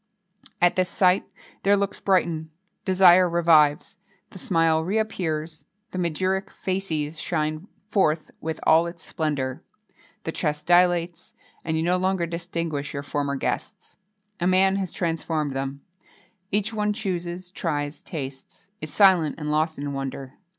At this sight, their looks brighten; desire revives; the smile reappears; the magiric facies shines forth with all its splendour; the chest dilates, and you no longer distinguish your former guests. A man has transformed them. Each one chooses, tries, tastes is silent, and lost in wonder.